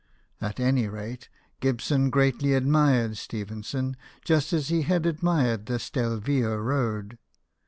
At any rate, Gibson greatly admired Stephenson, just as he had admired the Stelvio road.